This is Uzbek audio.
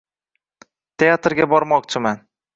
Teatrga bormoqchiman.